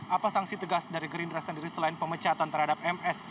apa sanksi tegas dari gerindra sendiri selain pemecatan terhadap ms